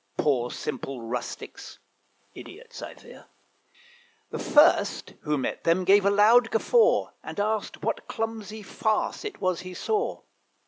Poor simple rustics (idiots, I fear), The first who met them gave a loud guffaw, And asked what clumsy farce it was he saw.